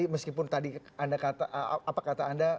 meskipun tadi anda kata